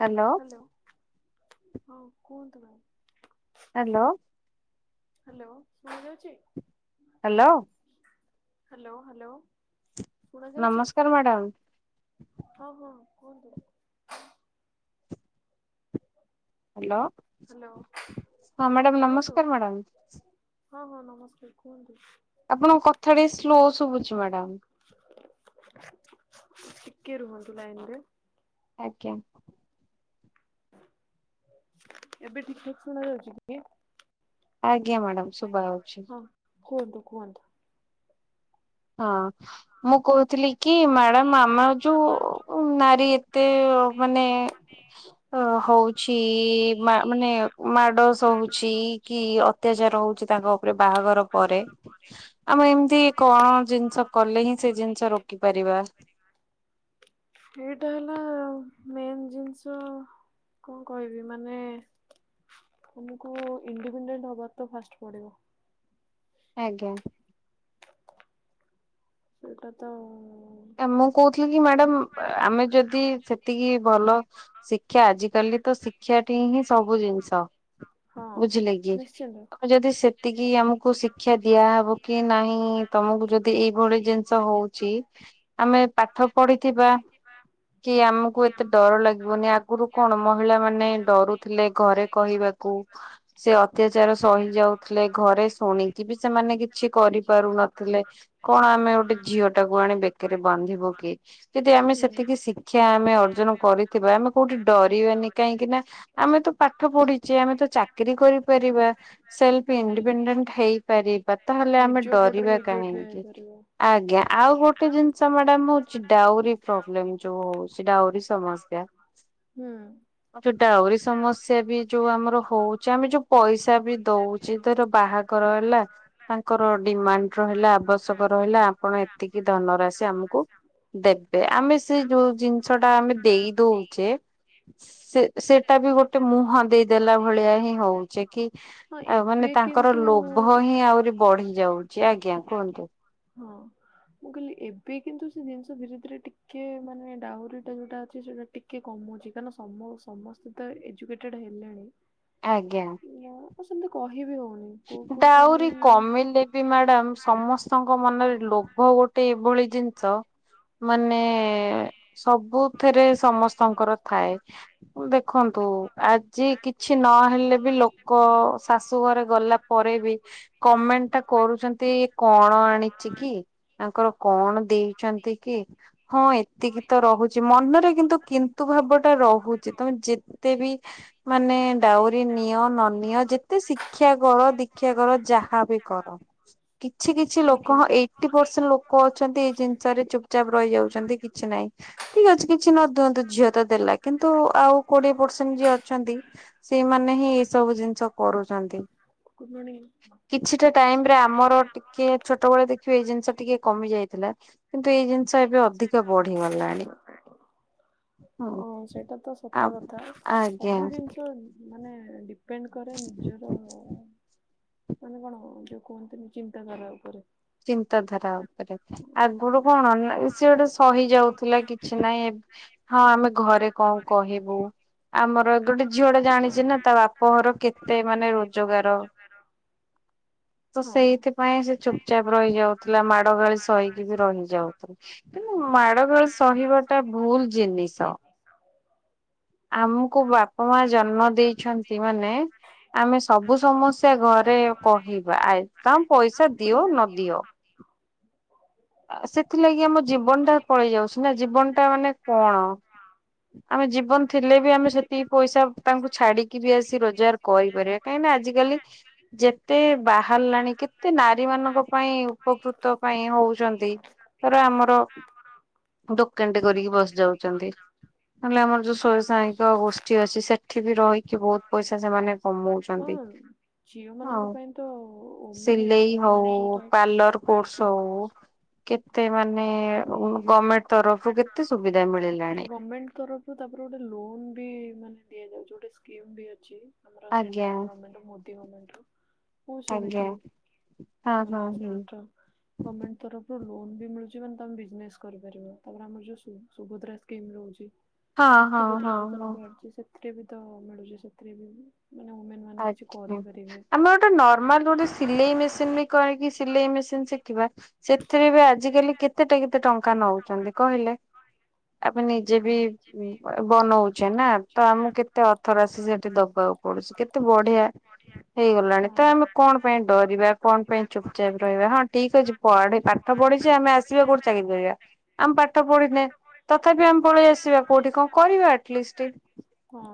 Hello hello. ହଁ କୁହନ୍ତୁ ma'am. Hello. Hello. ଶୁଣି ଯାଉଛି? ହାଲୋ। Hello hello. ଶୁଣାଯାଉଛି। ନମସ୍କାର ମ୍ୟାଡ଼ାମ ହଁ, ହଁ କୁହନ୍ତୁ। ହାଲୋ। ହ୍ୟାଲୋ ହଁ ହଁ ମ୍ୟାଡ଼ାମ। କୁହନ୍ତୁ ନମସ୍କାର ମ୍ୟାଡ଼ାମ୍। ହଁ ହଁ। ନମସ୍କାର କୁହନ୍ତୁ। ଆପଣଙ୍କ କଥା ଟିକେ ସ୍ଲୋ ଶୁଭୁଛି ମ୍ୟାଡାମ। ଟିକେ ରୁହନ୍ତୁ ଲାଇନ ରେ। ଆଜ୍ଞା। ଏବେ ଠିକ ଶୁଣା ଯାଉଛି କି? ଆଜ୍ଞା ମ୍ୟାଡ଼ାାମ ଶୁଭା ହଉଛି। ହଁ କୁହନ୍ତୁ କୁହନ୍ତୁ। ହଁ। ମୁଁ କହୁଥିଲି କି? ମ୍ୟାଡାମ ଆମ ଯୋଉ ନାରୀ ଏତେ ମାନେ ଆ ହଉଛି ମାନେ ମାଡ ସହୁଛି କି ଅତ୍ୟାଚାର ହଉଛି ତାଙ୍କ ଉପରେ ବାହାଘର ପରେ ଆମେ ଏମିତି କଣ ଜିନିଷ କଲେ ହିଁ ସେ ଜିନିଷ ରୋକି ପାରିବା? ଏଇଟା ହେଲା ମେନ୍ ଜିନିଷ କଣ କହିବି? ମାନେ ତମକୁ ଇଣ୍ଡିପେଣ୍ଡେଣ୍ଟ ହବାର ତ ଫାଷ୍ଟ ପଡିବ। ଆଜ୍ଞା। ସେଟା ତ ମୁଁ କହୁଥିଲି କି ମ୍ୟାଡାମ ଆମେ ଯଦି ସେତିକି ଭଲ ଶି କ୍ଷା ଆଜିକାଲି ତ ଶିକ୍ଷାଟି ହିଁ ସବୁ ଜିନିଷ। ହଁ ବୁଝିଲେ କି? ନିଶ୍ଚିନ୍ତ ଯଦି ସେତିକି ଆମକୁ ଶିକ୍ଷା ଦିଆହବ କି ନାହିଁ ତମକୁ ଯଦି ଏଇ ଭଳି ଜିନିଷ ହଉଛି ଆମେ ପାଠ ପଢିଥିବା କି ଆମକୁ ଏତେ ଡର ଲାଗିବନି, ଆଗରୁ କଣ ମହିଳା ମାନେ ଡରୁଥିଲେ ଘରେ କହିବାକୁ। ସେ ଅତ୍ୟାଚାର ସହି ଯାଉଥିଲେ ଘରେ ଶୁଣିକି ବି ସେମାନେ କିଛି କରିପାରୁନଥିଲେ। କଣ ଆମେ ଗୋଟେ ଝିଅଟାକୁ ଆଣି ବେ କେରେ ବାନ୍ଧିବ କିଏ, ଯଦି ଆମେ ସେତିକି ଶିକ୍ଷା ଆମେ ଅର୍ଜନ କରିଥିବା ଆମେ କୋଉଠି ଡରିବାନି, କାହିଁକି ନା ଆମେ ତ ପାଠ ପଢିଛେ ଆମେ ତ ଚାକିରି କରିପାରିବା। ହୁଁ ସେଲ୍ଫ ହୁଁ ଇଣ୍ଡିପେଣ୍ଡେଣ୍ଟ ହେଇପାରିବା ତାହେଲେ ଆମେ ନିଜ ଗୋଡରେ ଡରିବା କାହିଁକି? ଆଜ୍ଞା। ଆଜ୍ଞା ଆଉ [unintelligible] ମ୍ୟାଡମ୍ ହଉଛି ଡାଉରି ପ୍ରୋବ୍ଲେମ୍ ଯୋଉ ହଉଛି ଡାଉରି ସମସ୍ୟା। ହୁଁ। ଆଉ ଯୋଉ ଡାଉରି ସମସ୍ୟା ବି ଯୋଉ ଆମର ହଉଚି, ଆମେ ଯୋଉ ପଇସା ବି ଦଉ ଧର ବାହାଘର ହେଲା ତାଙ୍କର ଡିମାଣ୍ଡ ରହିଲା ଆବଶ୍ୟକ ରହିଲା ଆପଣ ଏତିକି ଧନ ରାଶି ଆମକୁ ଦେବେ, ଆମେ ସେ ଯୋଉ ଜିନିଷ ଟା ଆମେ ଦେଇ ଦଉଚେ ସେ ସେଟା ବି ଗୋଟେ ମୁହଁ ଦେଇଦେଲା ଭଳିଆ ହିଁ ହଉଚେ କି ହଁ ଆମେ ଏବେ ମାନେ ତାଙ୍କର କିନ୍ତୁ ଲୋଭ ହଁ ହିଁ ଆହୁରି ବଢି ଯାଉଚି, ଆଜ୍ଞା କୁହନ୍ତୁ। ହଁ। ମୁଁ କହିଲି ଏବେ କିନ୍ତୁ ସେ ଜିନିଷ ଧୀରେ-ଧୀରେ ଟିକେ ମାନେ ଡାହୁରିଟା ଯୋଉଟା ଅଛି ସେଟା ଟି କେ କମୁଚି, କାରଣ ସମ ସମସ୍ତେ ତ ଏଜୁକେଟେଡ୍ ହେଲେଣି। ଆଜ୍ଞା। [unintelligible] ତ ସେମ୍ତି କହିବି ହଉନି। କୋଉ କୋଉ ଡାଉରି ଫ୍ୟାମିଲି କମିଲେ ବି ମ୍ୟାଡାମ୍ ସମସ୍ତଙ୍କ ମନରେ ଲୋଭ ଗୋ ଟେ ଏଭଳି ଜିନିଷ ମାନେ ସବୁଥେରେ ସମସ୍ତଙ୍କର ଥାଏ। ଦେଖନ୍ତୁ ଆଜି କିଛି ନହେଲେ ବି ଲୋକ ଶାଶୁ ଘରେ ଗଲା ପରେ ବି କମେଣ୍ଟ ଟା କରୁଚନ୍ତି କଣ ଆଣିଚି କି? ତାଙ୍କର କଣ ଦେଇଚନ୍ତି କି, ହଁ ଏତିକି ତ ରହୁଚି ମନରେ କି ନ୍ତୁ କିନ୍ତୁ ଭାବ ଟା ରହୁଚି, ତମେ ଯେ ତେ ବି ମାନେ ଡାଉରି ନିଅ ନ ନିଅ, ଯେତେ ଶିକ୍ଷା କର ଦୀକ୍ଷା କର ଯାହାବି କର। କିଛି-କିଛି ଲୋକ ଆଜ୍ଞା ହଁ ଏଇଟି ପରସେଣ୍ଟ ଲୋକ ଅଛନ୍ତି ଏଇ ଜିନିଷରେ ଚୁପ୍ଚାପ୍ ରହିଯାଉଛନ୍ତି କିଛି ନହିଁ। ଠିକ୍ ଅଛି କିଛି ନ ଦିଅନ୍ତୁ ଝିଅ ତ ଦେଲା କି ନ୍ତୁ ଆଉ କୋଡିଏ ପରସେଣ୍ଟ ଯିଏ ଅଛନ୍ତି ସେଇମାନେ ହିଁ ଏଇ ସବୁ ଜିନିଷ କରୁଚନ୍ତି। Good morning. କିଛିଟା ଟାଇମ୍ ରେ ଆମର ଟିକେ ଛୋଟ ବେଳେ ଦେଖିବେ ଏଇ ଜିନିଷ ଟିକେ କମି ଯାଇଥିଲା। କିନ୍ତୁ ଏଇ ଜିନିଷ ଏବେ ଅଧିକ ବଢିଗଲାଣି। ହଁ ସେଇଟା ତ ସତ ଆଉ କଥା, ଆଜ୍ଞା। ସବୁ ଜିନିଷ ମାନେ ଡିପେଣ୍ଡ କରେ ନିଜର ମାନେ କଣ ଯୋଉ କୁହନ୍ତିନି ଚିନ୍ତାଧାରା ଉପରେ। ଚିନ୍ତାଧାରା ଉପରେ, ଆଗରୁ କଣ [unintelligible] ସେ ଗୋଟେ ସହିଯାଉଥିଲା କିଛି ନାହିଁ, ହଁ ଆମେ ଘରେ କଣ କହିବୁ। ଆମର ଗୋଟେ ଝିଅଟା ଜାଣିଚି ନା ତା ବାପ ଘର କେତେ ମାନେ ରୋଜଗାର। ତ ହଁ ସେଇଥିପାଇଁ ସେ ଚୁପ୍ ରହିଯାଉଥିଲା, ମାଡ ଗାଳି ସହିକି ବି ରହିଯାଉଥିଲା କିନ୍ତୁ ମାଡ ଗାଳି ସହିବା ଟା ଭୁଲ୍ ଜିନିଷ। ଆମକୁ ବାପା ମା ଜନ୍ମ ଦେଇଛନ୍ତି ମାନେ ଆମେ ସବୁ ସମସ୍ ସ୍ୟା ଘରେ କହିବା, ଆ ତ ପଇସା ଦିଅ ନଦିଅ। [inaudible] ସେଥିଲାଗି ଆମ ଜୀବନଟା ପଳେଇ ଯାଉଛି ନା, ଜୀବନଟା ମାନେ କଣ? ଆମେ ଜୀବନ ଥିଲେ ବି ଆ ଆମେ ସେତିକି ପଇସା ତାଙ୍କୁ ଛାଡିକି ବି ଆସି ରୋଜଗାର କରିପାରିବା। କାହିଁକିନା ଆଜିକାଲି ଯେ ଯେତେ ବାହାରିଲାଣି କେତେ ନାରୀମାନଙ୍କ ପାଇଁ ଉପକୃତ ପାଇଁ ହଉଚନ୍ତି। ଧର ଆମର ଦୋକାନଟେ କରିକି ବସି ଯାଉଚନ୍ତି। ନହେଲେ ଆମର ଯୋଉ। [unintelligible] ଗୋଷ୍ଠୀ ଅଛି ସେଠି ବି ରହିକି ବହୁତ ପଇସା ସେମାନେ କମଉଛନ୍ତି। ହଁ ଝିଅ ଆଉ ମାନଙ୍କ ପାଇଁ ତ ଓମେନ ସିଲେଇ ହଉ ଏମ୍ପାୱାରମେଣ୍ଟ ଯୋଉଟା ଅଛି ପାର୍ଲର କୋର୍ସ ହଉ କେତେ ମାନେ ଗମେଣ୍ଟ ତରଫରୁ କେତେ ସୁବିଧା ମିଳିଲାଣି। ଗମେଣ୍ଟ ତରଫରୁ ତାପରେ ଗୋଟେ ଲୋନ୍ ବି ମାନେ ଦିଆଯାଉଚି ଗୋଟେ ସ୍କିମ୍ ବି ଅଛି। ଆମର ଆଜ୍ଞା ସେଣ୍ଟ୍ରାଲ ଗମେଣ୍ଟ ମୋଦି ଗମେଣ୍ଟରୁ। ମୁଁ ଆଜ୍ଞା ଶୁଣିଥିଲି। ହଁ ମାନେ ହଁ ହୁଁ। ସେଣ୍ଟ୍ରାଲ୍ ଗମେଣ୍ଟ୍ ତରଫରୁ ଲୋନ୍ ବି ମିଳୁଚି ମାନେ ତମେ ବିଜନେସ୍ କରିପାରିବ। ତାପରେ ଆମର ଯୋଉ ସୁ ସୁଭଦ୍ରା ସ୍କିମ୍ ରହୁଚି ହଁ ହଁ ସୁଭଦ୍ରା ହଁ ହଁ ଯୋଜନା ବାହାରିଚି ସେଥିରେ ବି ତ ମିଳୁଚି। ସେଥିରେ ବି ମାନେ ଓମେନ ମାନେ କିଛି କରିପାରିବେ। ତ ନର୍ମାଲ ଗୋଟେ ସିଲେଇ ମେସିନ ବି କରିକି ସିଲେଇ ମେସିନ ଶିଖିବା ସେଥିରେ ବି ଆଜିକାଲି କେତେଟା କେତେ ଟଙ୍କା ନଉଛନ୍ତି କହିଲେ। ଆମେ ନିଜେ ବି ବନଉଚେ ନା ତ ଆମକୁ କେତେ ଅର୍ଥ ରାଶି ସେଠି ଦବାକୁ ପଡୁଚି। କେତେ ବଢିଆ। ହେଇଗଲାଣି। ହଁ ତ ଆମେ ହଁ କଣ ପାଇଁ ହଁ ଡରିବା କଣ ପାଇଁ ଚୁପଚାପ୍ ରହିବା? ହଁ ଠିକ୍ ଅଛି ପଢ଼ି ପାଠ ପଢିଚେ ଆମେ ଆସିବା କୋଉଠି ଚାକିରି କରିବା। ଆମେ ପାଠ ପଢିନେ, ତଥାପି ଆମେ ପଳେ ହଁ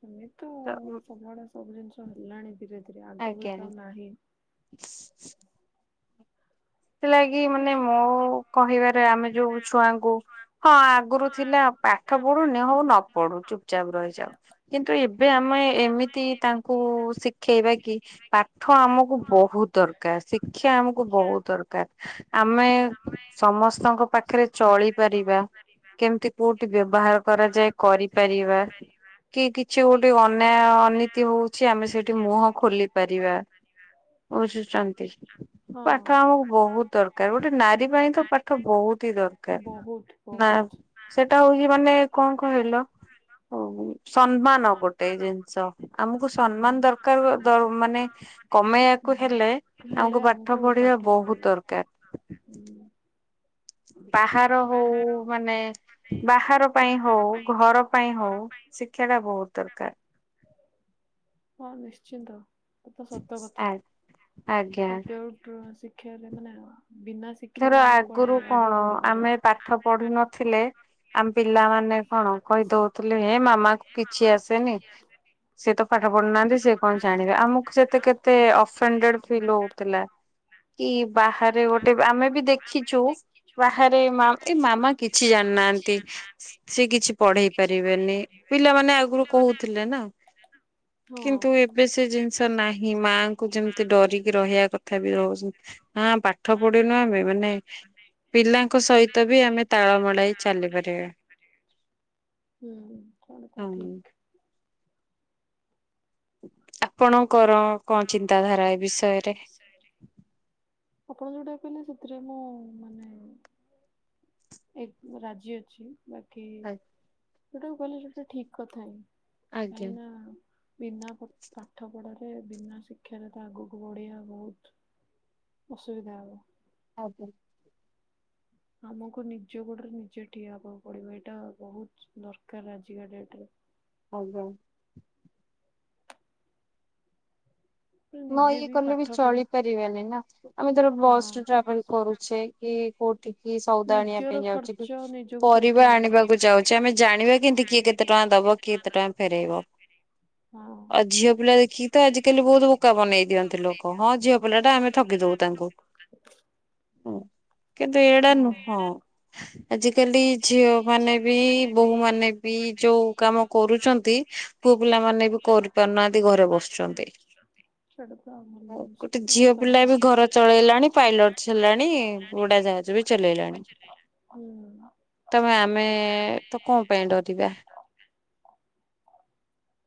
ସେମିତି ତ ସବୁଆଡେ ସବୁ ଜିନିଷ ହେଲାଣି ଧୀରେ ଧୀରେ ଆଗ ଭଳି ତ ଆଜ୍ଞା। ଆଉ ନାହିଁ। ସେଥିଲାଗି ତାପରେ ମାନେ ସେ ମୋ କହିବାରେ ଆମେ ଯୋଉ ଛୁଆଙ୍କୁ, ହଁ ଆଗରୁ ଥିଲା ପା ପାଠ ପଢୁନି ହଉ ନ ପଢୁ ଚୁପଚାପ ରହିଯାଉ। କିନ୍ତୁ ଏବେ ଆମେ ଏମିତି ତାଙ୍କୁ ଶି ଶିଖେଇବା କି ପାଠ ଆମକୁ ବହୁତ ଦରକାର। ଶିକ୍ଷା ଆମକୁ ବହୁତ ଦରକାର। ଆମେ ସମସ୍ତଙ୍କ ପାଖରେ ଚଳିପାରିବା। କେମିତି କୋଉଠି ବ୍ୟବହାର କରାଯାଏ କରିପାରିବା। କି କିଛି ଗୋଟେ ଅନ୍ୟାୟ ଅନୀତି ହଉଚି ଆମେ ସେଠି ମୁହଁ ଖୋଲି ପାରିବା। ବୁଝୁଛନ୍ତି। ହଁ ପାଠ ଆମକୁ ବହୁତ୍ ଦରକାର। ଗୋଟେ ନାରୀ ପାଇଁ ତ ପାଠ ବହୁତି ଦରକାର। ବହୁତ ନା ବହୁତ ସେଟା ହଉଚି ମାନେ କଣ କହିଲ ସମ୍ମା ସମ୍ମାନ ଗୋଟେ ଜିନିଷ। ଆମକୁ ଦରକାର ସମ୍ମାନ ଦ ମାନେ ଦରକାର ମାନେ କମେଇବାକୁ ହେଲେ କମେଇବାକୁ ହେଲେ ପାଠ ଆମକୁ ପଢିବା ପାଠ ବହୁତ ପଢ଼ିବା ଦରକାର ବହୁତ୍ ଦରକାର। ହୁଁ। ବାହାର ହଉ ମାନେ ବାହାର ପାଇଁ ହଉ, ଘର ପାଇଁ ହଉ ଶିକ୍ଷା ଟା ବହୁତ୍ ଦରକାର। ହଁ ନିଶ୍ଚିନ୍ତ। ଏତ ସତ କଥା। ଆଜ୍ଞା ଗୋଟେ ଶିକ୍ଷାରେ ମାନେ ବିନା ଶି ଧର ଶିକ୍ଷାରେ ଆମେ ଆଗରୁ କୁଆଡେ ଆଗକୁ କଣ ବଢି ପାରିବା। ଆମେ ପାଠ ପଢୁ ନଥିଲେ ଆମ ପିଲାମାନେ କଣ କହିଦଉଥିଲେ ହେ ମାମା କୁ କିଛି ଆସେନି। ସିଏ ତ ପାଠ ପଢିନାହାନ୍ତି ସିଏ କଣ ଜାଣିବେ। ଆମକୁ ସେତେ କେତେ ଅଫଏଣ୍ଡେଡ୍ ଫିଲ୍ ହଉଥିଲା। କି ବାହାରେ ଗୋଟେ ଆମେ ବି ଦେଖିଛୁ ବାହାରେ ଏ ମାମା କିଛି ଜାଣିନାହାନ୍ତି। ସେ କିଛି ପଢେଇ ପାରିବେନି। ପିଲାମାନେ ଆଗରୁ କହୁଥିଲେ ନା। ହଁ। କିନ୍ତୁ ଏବେ ସେ ଜିନିଷ ନାହିଁ। ମାଙ୍କୁ ଯେମିତି ଡରିକି ରହିବା କଥା ବି ରହୁଛନ୍ତି। ନା ପାଠ ପଢିନୁ ଆମେ ମାନେ ପିଲାଙ୍କ ସହିତ ବି ଆମେ ତାଳ ମେଡ଼ାଇ ଚାଲି ପାରିବା। ହୁଁ [unintelligible] ଠିକ୍। ଆପଣଙ୍କର କଣ ଚିନ୍ତାଧାରା ଏ ବିଷୟରେ? ଆପଣ ଯୋଉଟା କହିଲେ ସେଥିରେ ମୁଁ ମାନେ ଏକ ରାଜି ଅଛି ବାକି ଯୋଉଟାକୁ କହିଲ ସେଇଟା ଠିକ କଥା ହିଁ। ଆଜ୍ଞା। ଆଇନା ବିନା ପାଠ ପଢାରେ ବିନା ଶିକ୍ଷାରେ ତ ଆଗକୁ ବଢିବା ବହୁତ ଅସୁବିଧା ହବ। ଆଜ୍ଞା। ଆମକୁ ନିଜ ଗୋଡରେ ନିଜେ ଠିଆ ହବାକୁ ପଡିବ ଏଇଟା ବହୁତ ଦରକାର ଆଜିକା ଡେଟରେ। ଆଜ୍ଞା। ନ ନିଜେ ଇଏ କଲେ ବି ପାଠ ପଢ ଚଳି ପାରିବାନି ନା ଆମେ ଧର ବସ ହଁ ରେ ଟ୍ରାଭେଲ କରୁଛେ କି କୋଉଠିି କି ସଉଦା ଆଣିବା ନିଜର ପାଇଁ ଯାଉଚେ କି ଖର୍ଚ୍ଚ ନିଜକୁ ତ ପରିବା ଉଠେଇବାକୁ ପଡିବ। ଆଣିବାକୁ ଯାଉଚେ ଆମେ ଜାଣିବା କେମତି କିଏ କେତେ କେତେ ଟଙ୍କା ଦବ କି ଏତେ ଟଙ୍କା ଫେରେଇବ। ଦବ ଆ ଝିଅ ପିଲା ଦେଖିକି ତ ଆଜିିକାଲି ବହୁତ ବୁକାବ ବନେଇ ଦିଅନ୍ତି ଲୋକ ହଁ ଝିଅ ପିଲା ଟା ଆମେ ଠକିଦବୁ ତାଙ୍କୁ। ହ କିନ୍ତୁ ଏଡା ନୁହଁ। ଆଜିକାଲି ଆଜି ଝିଅ କାଲି ମାନେ ଝିଅ ବି ମାନେ ବି ବୋହୂ ମାନେ ବି ମାନେ ଯୋଉ ବି କାମ ଯୋଉ କାମ କରୁଛନ୍ତି କରୁଛ ପୁଅ ନ୍ତୀ, ପିଲା ମାନେ ପୁଅ ବି ପିଲାମାନେ କରିପାରୁନାହାନ୍ତି ଘରେ କରିପାରୁ ନାହାନ୍ତି, ଘରେ ବସୁଛନ୍ତି। ବସୁଛନ୍ତି। ସେଇଟା ତ ଆମର ଆଉ ଗୋଟେ ସେଟା ସତ ଝିଅ ପିଲା କଥା ବି ଝିଅ ଘର ପିଲା ବି ଘର ଚଳେଇଲାଣି ପାଇଲଟ ଚଳେଇଲାଣି ହେଲାଣି ପାଇଲଟ ହେଲାଣି। ଉଡା ଜାହାଜ ବି ଚଲେଇଲାଣି। ହୁଁ। ତମେ ଆମେ ତ କଣ ପାଇଁ ଡରିବା।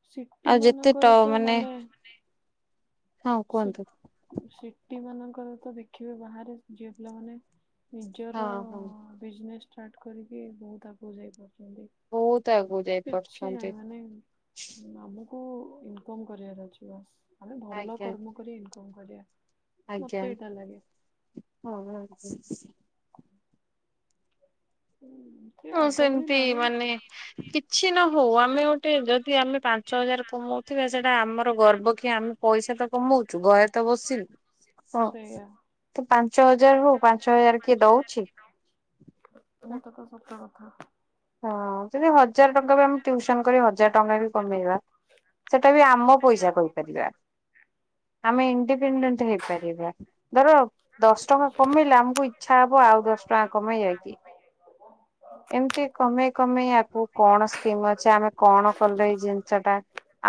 ସିଟି ଆଉ ଯେତେ ଟ ମାନଙ୍କରେ ତ ମାନେ ହଁ କୁହନ୍ତୁ। ସିଟି ମାନଙ୍କର ତ ଦେଖିବେ ବାହାରେ ଝିଅ ପିଲାମାନେ ହଁ ନିଜର ହଁ ବିଜନେସ୍ ଷ୍ଟାର୍ଟ କରିକି ବହୁତ ଆଗକୁ ଯାଇପାରୁଛନ୍ତି। ବହୁତ ଆଗକୁ କିଛି ଯାଇପାରୁଛନ୍ତି ନାହିଁ ମାନେ ଆମ କୁ ଇନକମ କରିବାର ଅଛି ବାସ୍ ଆମେ ଭଲ ଆଜ୍ଞା କର୍ମ କରି ଇନକମ କରିବା। ଆଜ୍ଞା। ମତେ ଏଇଟା ଲାଗେ। [unintelligible] [unintelligible] [unintelligible] ହଁ ଭଳି ସେମିତି ନାହିଁ ମାନେ କିଛି ନ ହଉ ଆମେ ଗୋଟେ ଯଦି ଆମେ ପା ପାଞ୍ଚ ହଜାର କମଉଥିବା ସେଇଟା ଆମର ଗର୍ବ କି ଆମେ ପଇସା ତ କମଉଛୁ ଘରେ ତ ବସିନୁ। ହଁ ସେଇଆ ତୁ ପାଞ୍ଚ ହଜାର ହଉ ପାଞ୍ଚ ହଜାର କିଏ ଦଉଛି। ସେଟା ତ ସତ କଥା। ହଁ ଯଦି ହଜାର ଟଙ୍କା ବି ଆମେ ଟିଉସନ କରି ହଜାର ଟଙ୍କା ବି କମେଇବା ସେଟା ବି ଆମ ପଇସା କହିପାରିବା ଆମେ ଇଡିପେଣ୍ଡେଣ୍ଟ ହେଇପାରିବା। ଧର ଦଶ ଟଙ୍କା କମେଇଲେ ଆମକୁ ଇଚ୍ଛା ହବ ଆଉ ଦଶ ଟଙ୍କା କମେଇ ବାକି। ଏମିତି କମେଇ କମେଇ ଆଗକୁ କଣ ସ୍କିମ ଅଛି ଆମେ କଣ କଲେ ଏଇ ଜିନିଷ ଟା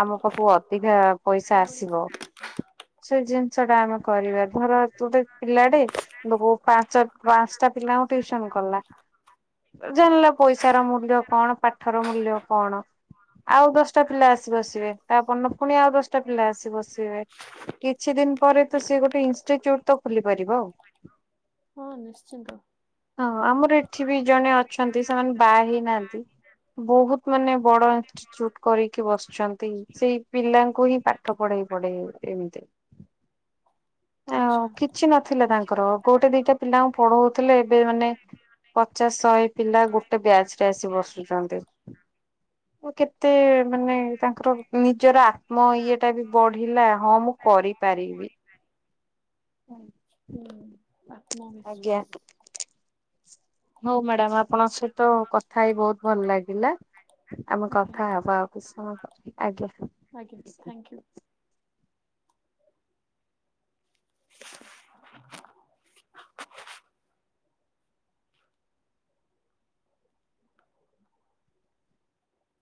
ଆମ ପାଖକୁ ଅଧିକା ପଇସା ଆସିବ ସେ ଜିନିଷ ଟା ଆମ କରିବା ଧର ତୁଟେ ପିଲାଟେ କି ପା ପାଞ୍ଚଟା ପିଲାଙ୍କୁ ଟିଉସନ କଲା ଜାଣିଲ ପଇସାର ମୂଲ୍ୟ କଣ ପାଠର ମୂଲ୍ୟ କଣ। ଆଉ ଦଶଟା ପିଲା ଆସି ବସିବେ ତାପନ ପୁଣି ଆଉ ଦଶଟା ପିଲା ଆସି ବସିବେ। କିଛି ଦିନ ପରେ ତ ସେ ଗୋଟେ ଇନଷ୍ଟିଚ୍ୟୁଟ ତ ଖୋଲି ପାରିବ। ହଁ ନିଶ୍ଚିନ୍ତ। ହଁ ଆମର ଏଠି ବି ଜଣେ ଅଛନ୍ତି ସେମାନେ ବା ହେଇ ନାହାନ୍ତି ବହୁତ ମାନେ ବଡଇନଷ୍ୟୁଟୁଡ କରିକି ବସିଛନ୍ତି ସେଇ ପିଲାଙ୍କୁ ହିଁ ପାଠ ପଢେଇ ପଢେଇ ଏମିତି ଆଉ ଆଚ୍ଛା କିଛି ନଥିଲା ତାଙ୍କର କୋଉଟେ ଦିଟା ପିଲାଙ୍କୁ ପଢଉଥିଲେ ଏବେ ମାନେ ପଚାଶ ଶହେ ପିଲା ଗୋଟେ ବ୍ୟାଚ୍ ରେ ଆସି ବସୁଛନ୍ତି। ମୁଁ କେତେ ମାନେ ତାଙ୍କର ନିଜର ଆତ୍ମ ଇଏ ଟା ବି ବଢିଲା ହଁ ମୁଁ କରିପାରି କରି ପା ହଁ। ହୁଁ ଆତ୍ମବିଶ୍ୱାସ୍। ହଉ ମ୍ୟାଡ଼ାମା ଆ ଆପଣଙ୍କ ସହିତ କଥା ହେଇ ବୋହୁତ୍ ଭଲ ଲାଗିଲା ଆମେ ଆଜ୍ଞା କଥା ହବା ଆଉ କିଛି ସମୟ ପରେ। ଆଜ୍ଞା। ଆଜ୍ଞା ଥାଇଙ୍କ୍ୟୁ। [inaudible]